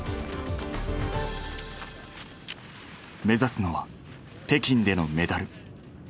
目指すのは北京でのメダル。